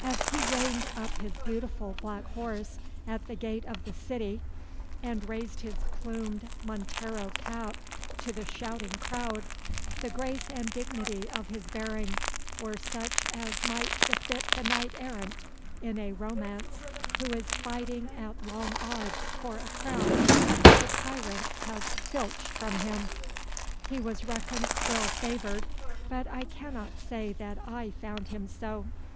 As he reined up his beautiful black horse at the gate of the city, and raised his plumed montero cap to the shouting crowd, the grace and dignity of his bearing were such as might befit the knight errant in a Romance who is fighting at long odds for a crown which a tyrant has filched from him. He was reckoned well favoured, but I cannot say that I found him so.